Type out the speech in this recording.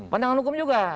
pandangan hukum juga